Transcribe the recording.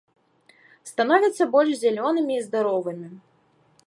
Становяцца больш зялёнымі і здаровымі.